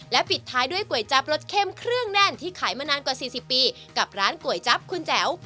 ปิดท้ายด้วยก๋วยจับรสเข้มเครื่องแน่นที่ขายมานานกว่า๔๐ปีกับร้านก๋วยจั๊บคุณแจ๋ว